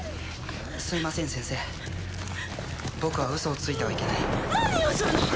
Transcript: すいません先生僕は嘘をついてはいけない何をするの？